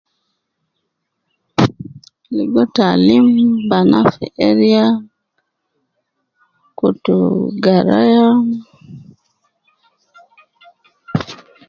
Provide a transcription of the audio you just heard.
Ligo taalim banaa fi area, kutuu garaya